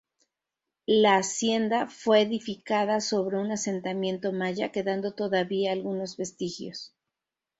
La hacienda fue edificada sobre un asentamiento maya quedando todavía algunos vestigios.